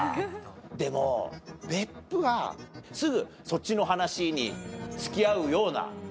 でも別府はすぐそっちの話に付き合うような人なのよ。